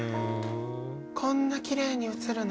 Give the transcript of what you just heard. こんなきれいに映るの？